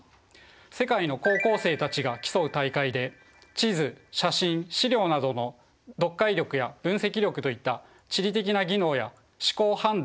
世界の高校生たちが競う大会で地図写真資料などの読解力や分析力といった地理的な技能や思考判断